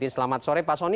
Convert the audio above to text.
selamat sore pak sonny